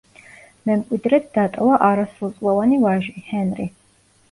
მემკვიდრედ დატოვა არასრულწლოვანი ვაჟი, ჰენრი.